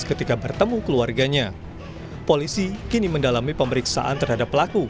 ketika bertemu keluarganya polisi kini mendalami pemeriksaan terhadap pelaku